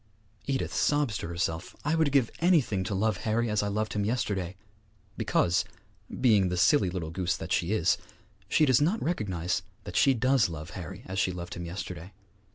Edith sobs to herself, 'I would give anything to love Harry as I loved him yesterday!' because, being the silly little goose that she is, she does not recognize that she does love Harry as she loved him yesterday.